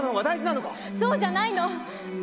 そうじゃないの！